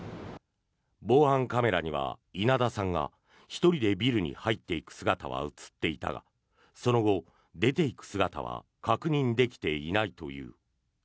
防犯カメラには稲田さんが１人でビルに入っていく姿は映っていたがその後、出ていく姿は確認できていないという。